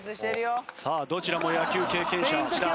さあどちらも野球経験者。